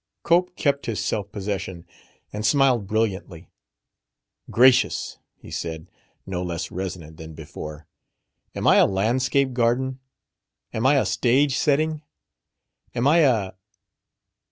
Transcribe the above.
Cope kept his self possession and smiled brilliantly. "Gracious!" he said, no less resonant than before. "Am I a landscape garden? Am I a stage setting? Am I a